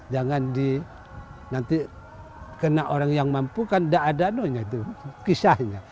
jangan di nanti kena orang yang mampu kan tidak ada kisahnya